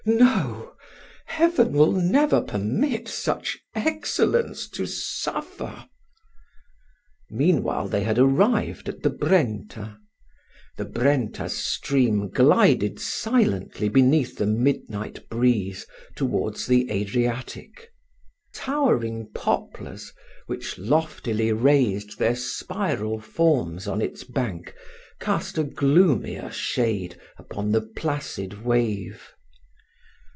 "No Heaven will never permit such excellence to suffer." Meanwhile they had arrived at the Brenta. The Brenta's stream glided silently beneath the midnight breeze towards the Adriatic. Towering poplars, which loftily raised their spiral forms on its bank, cast a gloomier shade upon the placid wave.